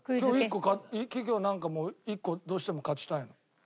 今日１個企業なんか１個どうしても勝ちたいの。